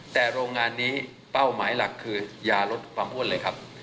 แต่โรงงานนี้เป้าหมายหลักคือยาลดความอ้วนเลยครับ